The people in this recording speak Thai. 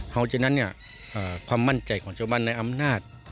เพราะฉะนั้นความมั่นใจของชาวบ้านในอำนาจ